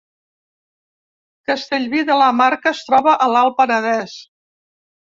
Castellví de la Marca es troba a l’Alt Penedès